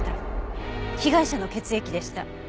被害者の血液でした。